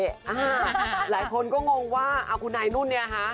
ห้าหลายคนก็งงว่าคุณนายนุ่นเนี่ยค่ะ